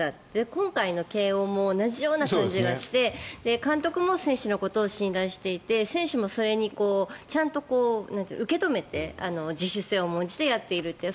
今回の慶応も同じような感じがして監督も選手のことを信頼していて選手もそれにちゃんと受け止めて自主性を重んじてやっているという。